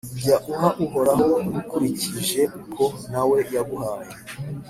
Jya uha Uhoraho ukurikije uko na we yaguhaye,